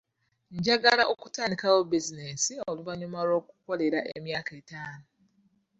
Njagala okutandikawo bizinensi oluvannyuma lw'okukolera emyaka etaano.